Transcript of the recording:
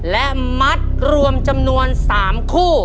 และมัดรวมจำนวน๓คู่